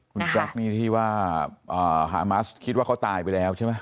คุณแจ๊คนี่ที่ว่าฮามัสคิดว่าเขาตายไปแล้วใช่ไหม